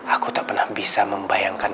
aku tak pernah bisa membayangkan